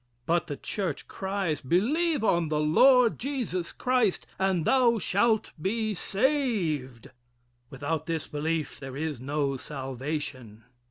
But the church cries: "Believe on the Lord Jesus Christ and thou shalt be saved." Without this belief there is no salvation.